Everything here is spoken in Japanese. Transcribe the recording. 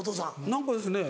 何かですね